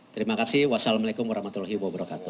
terima kasih wassalamu alaikum warahmatullahi wabarakatuh